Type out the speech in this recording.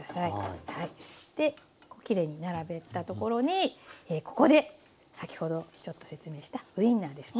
できれいに並べたところにここで先ほどちょっと説明したウインナーですね。